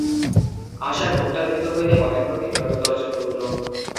আশা ঘোমটার ভিতর হইতে মহেন্দ্রকে নীরবে তর্জন করিল।